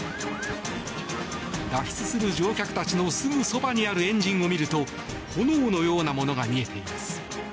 脱出する乗客たちのすぐそばにあるエンジンを見ると炎のようなものが見えています。